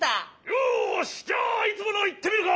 よしじゃあいつものいってみるか！